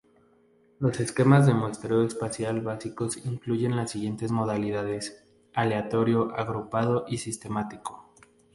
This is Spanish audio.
Los esquemas de muestreo espacial básico incluyen las siguientes modalidades: aleatorio, agrupado y sistemático.